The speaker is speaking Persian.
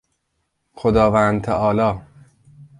خداوند تعالی